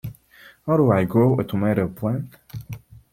How do I grow a tomato plant?